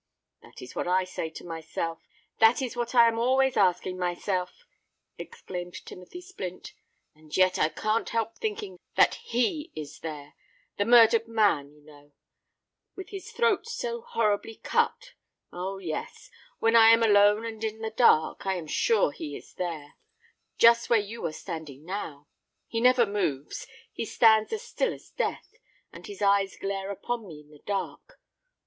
"That is what I say to myself—that is what I am always asking myself," exclaimed Timothy Splint. "And yet I can't help thinking that he is there—the murdered man, you know—with his throat so horribly cut——Oh! yes—when I am alone and in the dark, I am sure he is there—just where you are standing now. He never moves—he stands as still as death—and his eyes glare upon me in the dark.